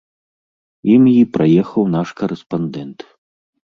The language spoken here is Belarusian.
Ім і праехаў наш карэспандэнт.